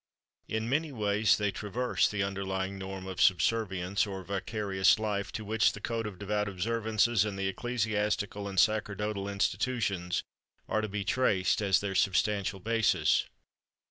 In many ways they traverse the underlying norm of subservience or vicarious life to which the code of devout observances and the ecclesiastical and sacerdotal institutions are to be traced as their substantial basis.